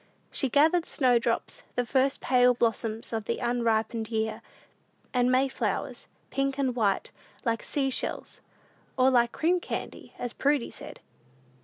She gathered snowdrops, "the first pale blossoms of the unripened year," and May flowers, pink and white, like sea shells, or like "cream candy," as Prudy said.